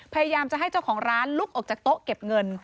พยายามจะให้เจ้าของร้านลุกออกจากโต๊ะเก็บเงิน